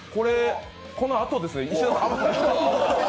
このあとですね。